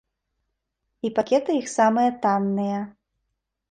І пакеты іх самыя танныя.